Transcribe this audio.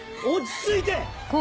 落ち着いて。